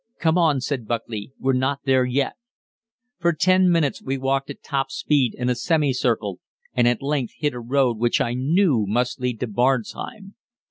"Come on," said Buckley, "we're not there yet." For ten minutes we walked at top speed in a semicircle, and at length hit a road which I knew must lead to Barzheim.